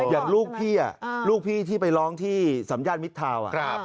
อย่างลูกพี่ที่ไปร้องที่สำญาติมิตรธาวน์